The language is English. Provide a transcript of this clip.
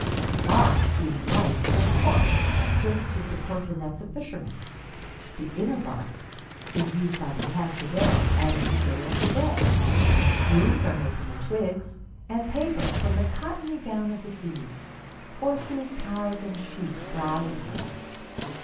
The bark, being light, like cork, serves to support the nets of fishermen; the inner bark is used by the Kamschadales as a material for bread; brooms are made from the twigs, and paper from the cottony down of the seeds. Horses, cows and sheep browse upon it.